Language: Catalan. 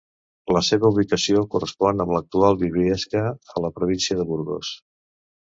La seva ubicació correspon amb l'actual Briviesca a la província de Burgos.